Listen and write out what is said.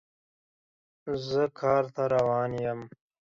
زه کار ته روان یم